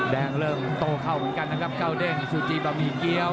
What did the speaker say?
เริ่มโตเข้าเหมือนกันนะครับเก้าเด้งซูจีบะหมี่เกี้ยว